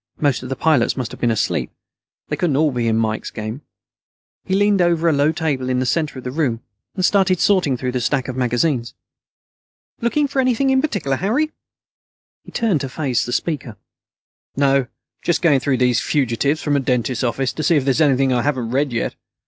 Most of the pilots must have been asleep. They couldn't all be in Mike's game. He leaned over a low table in the center of the room and started sorting through the stack of magazines. "Looking for anything in particular, Harry?" He turned to face the speaker. "No, just going through these fugitives from a dentist's office to see if there's anything I haven't read yet.